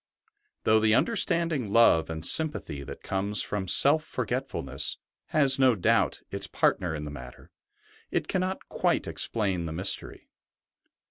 Though the understanding love and sympathy that comes from self forgetful ness has no doubt its part in the matter, it cannot quite explain the mystery.